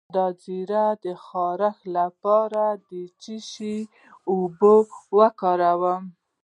د زیړي د خارښ لپاره د څه شي اوبه وکاروم؟